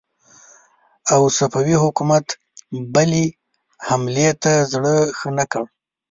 او صفوي حکومت بلې حملې ته زړه ښه نه کړ.